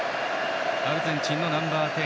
アルゼンチンのナンバー１０